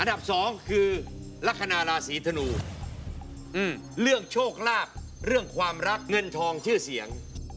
สองคือลักษณะราศีธนูเรื่องโชคลาภเรื่องความรักเงินทองชื่อเสียง